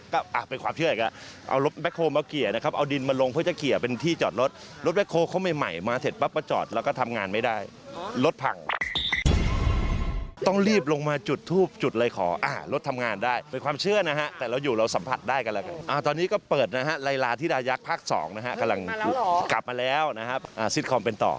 ราคางานก็เยอะมากจริงมีเรื่องเล่าเยอะมาก